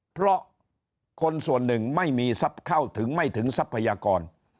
เพราะคนส่วนหนึ่งไม่มีทรัพยากร